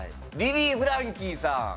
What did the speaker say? リリー・フランキーさん。